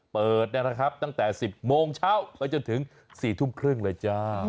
เปิดนะครับตั้งแต่๑๐โมงเช้าไปจนถึง๔ทุ่มครึ่งเลยจ้า